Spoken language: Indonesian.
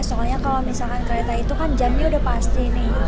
soalnya kalau kereta itu jamnya sudah pasti